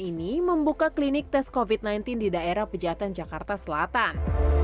ini membuka klinik tes covid sembilan belas di daerah pejatan jakarta selatan